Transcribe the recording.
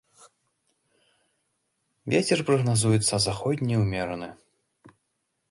Вецер прагназуецца заходні ўмераны.